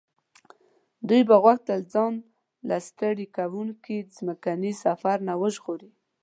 دوی به غوښتل ځان له ستړي کوونکي ځمکني سفر نه وژغوري.